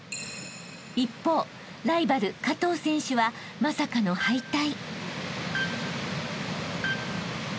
［一方ライバル加藤選手はまさかの敗退］